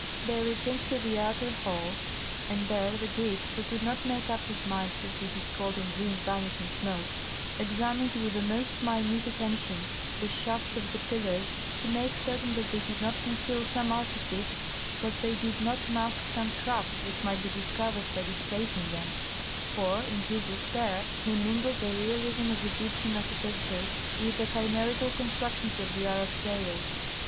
They returned to the outer hall, and there the Greek, who could not make up his mind to see his golden dream vanish in smoke, examined with the most minute attention the shafts of the pillars to make certain that they did not conceal some artifice, that they did not mask some trap which might be discovered by displacing them; for in his despair he mingled the realism of Egyptian architecture with the chimerical constructions of the Arab tales.